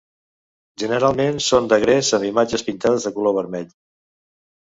Generalment són de gres amb imatges pintades de color vermell.